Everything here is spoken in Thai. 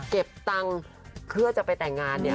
เก็บตังค์เพื่อจะไปแต่งงานเนี่ย